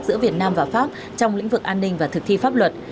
giữa việt nam và pháp trong lĩnh vực an ninh và thực thi pháp luật